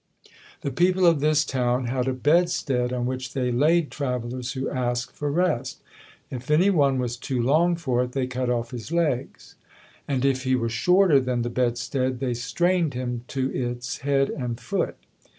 The people of this town had a bedstead on which they laid travellers who asked for rest. If any one was too long for it, they cut off his legs; and if he was shorter than the bedstead, they strained him to its head and foot.